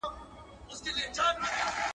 • د هوښيار سړي غبر گ غاښونه وزي.